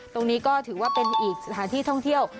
ตรงนี้ก็ถือว่าเป็นอีกสถานที่ท่องเที่ยว